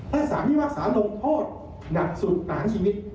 ถ้าสามีมักษาหลงโทษหนักสุดต่างชีวิต